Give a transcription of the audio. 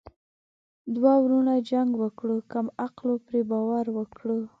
دوه ورونو جنګ وکړو کم عقلو پري باور وکړو.